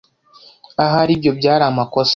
Ahari ibyo byari amakosa.